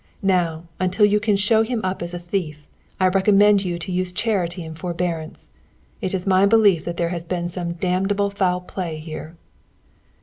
Now, until you can show him up as a thief, I recommend you to use charity and forbearance. It is my belief that there has been some damnable foul play here."